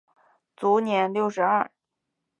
卒年六十二。